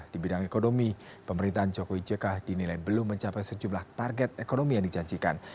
di bidang ekonomi pemerintahan jokowi jk dinilai belum mencapai sejumlah target ekonomi yang dijanjikan